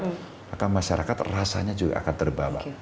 maka masyarakat rasanya juga akan terbawa